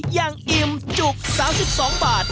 อย่างอิ่มจุก๓๒บาท